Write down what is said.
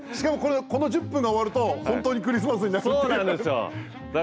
この１０分が終わると本当にクリスマスになるっていう。